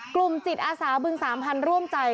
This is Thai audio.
กลุ่มจิตอาซาวบนสามพันร่วมใจ